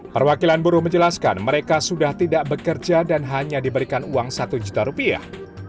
perwakilan buruh menjelaskan mereka sudah tidak bekerja dan hanya diberikan uang satu juta rupiah